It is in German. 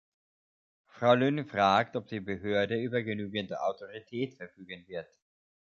Frau Lynne fragt, ob die Behörde über genügend Autorität verfügen wird.